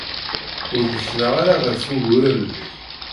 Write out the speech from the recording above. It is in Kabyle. Ur nneknaɣ ara ɣer wuguren-nnek.